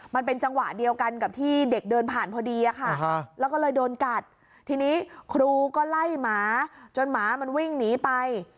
มันเป็นจังหวะเดียวกันกับที่เด็กเดินผ่านพอดีอะค่ะแล้วก็เลยโดนกัดทีนี้ครูก็ไล่หมาจนหมามันวิ่งหนีไป